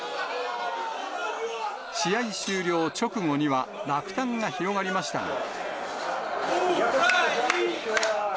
試合終了直後には落胆が広がりましたが。